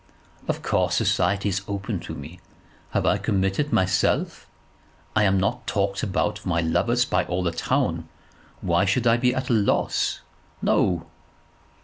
"Of course society is open to me. Have I committed myself? I am not talked about for my lovers by all the town. Why should I be at a loss? No."